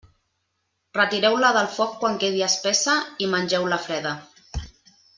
Retireu-la del foc quan quedi espessa i mengeu-la freda.